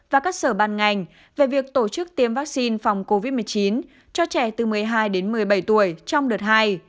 và các sở ban ngành về việc tổ chức tiêm vaccine phòng covid một mươi chín cho trẻ từ một mươi hai đến một mươi bảy tuổi trong đợt hai